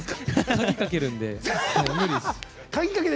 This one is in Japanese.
鍵かけるので。